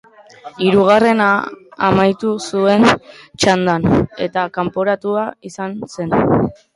Hirugarren amaitu zuen txandan, eta kanporatua izan zen.